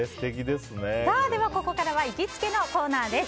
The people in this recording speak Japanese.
では、ここからは行きつけのコーナーです。